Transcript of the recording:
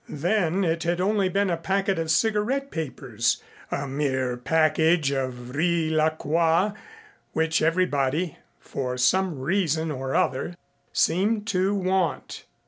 Then it had only been a packet of cigarette papers a mere package of Riz la Croix which everybody, for some reason or other, seemed to want.